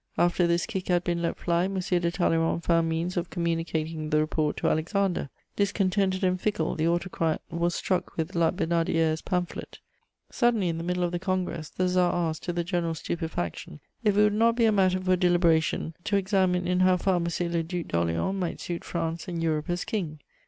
After this kick had been let fly, M. de Talleyrand found means of communicating the report to Alexander: discontented and fickle, the Autocrat was struck with La Besnardière's pamphlet. Suddenly, in the middle of the Congress, the Tsar asked, to the general stupefaction, if it would not be a matter for deliberation to examine in how far M. le Duc d'Orléans might suit France and Europe as King.